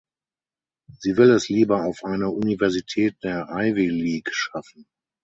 Sie will es lieber auf eine Universität der Ivy League schaffen.